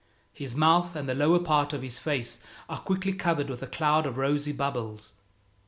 His mouth and the lower part of his face are quickly covered with a cloud of rosy bubbles.